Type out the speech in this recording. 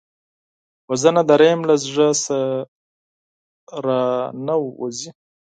وژنه د رحم له زړه نه را نهوزي